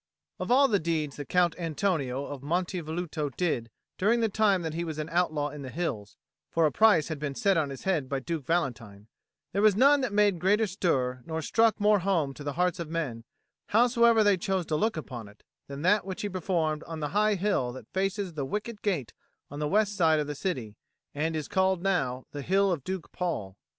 Of all the deeds that Count Antonio of Monte Velluto did during the time that he was an outlaw in the hills (for a price had been set on his head by Duke Valentine), there was none that made greater stir or struck more home to the hearts of men, howsoever they chose to look upon it, than that which he performed on the high hill that faces the wicket gate on the west side of the city and is called now the Hill of Duke Paul.